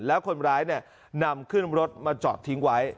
แล้วคนร้ายนำขึ้นรถมาจอดทิ้งไว้